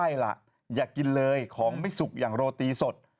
ใช่ล่ะอย่ากินเลยของไม่สุกอย่างโรตีสด